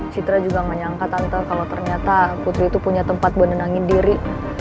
citra juga gak nyangka tante kalau ternyata putri itu punya tempat buat nenangin diri